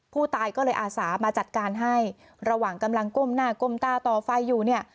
ผู้ตายก็เลยอาสามาจัดการให้ระหว่างกำลังก้มหน้าก้มตาต่อไฟอยู่เนี่ย